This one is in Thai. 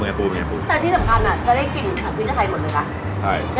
ขอบคุณครับ